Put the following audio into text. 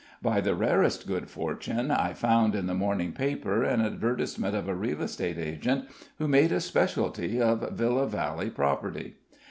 By the rarest good fortune, I found in the morning paper an advertisement of a real estate agent who made a specialty of Villa Valley property.